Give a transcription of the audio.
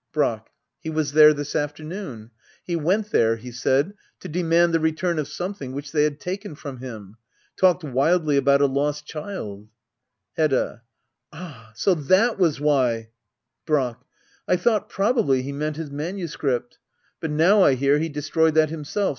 Brack. He was there this afternoon. He went there, he said, to demand the return of something which they had taken from him. Talked wildly about a lost child Hedda. Ah — so that was why Brack. I thought probably he meant his manuscript ; but now I hear he destroyed that himself.